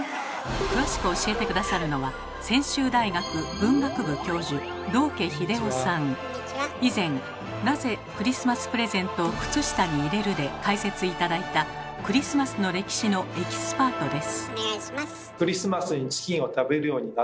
詳しく教えて下さるのは以前「なぜクリスマスプレゼントを靴下に入れる？」で解説頂いたクリスマスの歴史のエキスパートです。